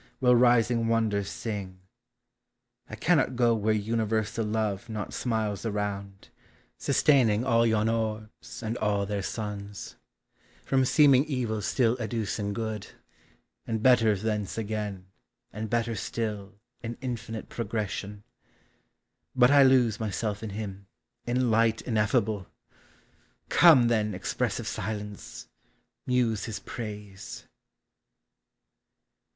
Will rising wonders sing: I cannot go Where Universal Love not smiles around, Sustaining all yon orbs, and all their sun 74 POEMS OF NATURE. From seeming evil still educing good, And better thence again, and better still, In infinite progression. But I lose Myself in him, in Light ineffable! Come, then, expressive Silence, muse his praise.